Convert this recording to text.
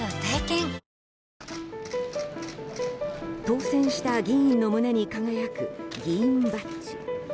当選した議員の胸に輝く議員バッジ。